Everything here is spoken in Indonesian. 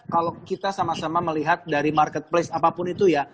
kalau kita sama sama melihat dari marketplace apapun itu ya